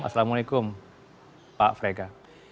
assalamu'alaikum pak frega